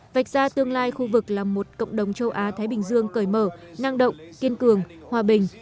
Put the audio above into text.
vạch ra tương lai khu vực là một cộng đồng châu á thái bình dương cởi mở năng động kiên cường hòa bình